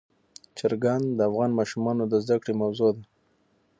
چرګان د افغان ماشومانو د زده کړې موضوع ده.